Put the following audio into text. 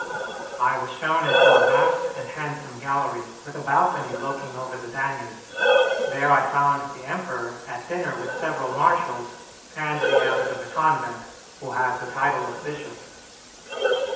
I was shown into a vast and handsome gallery, with a balcony looking over the Danube; there I found the emperor at dinner with several marshals and the abbot of the convent, who has the title of bishop.